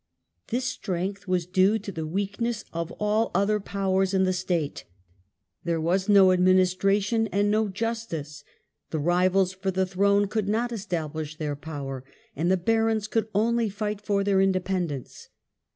This strength was due to the ^. nu..^u weakness of all other powers m the state, under There was no administration and no justice. ®p«" The rivals for the throne could not establish their power, and the barons could only fight for their independence.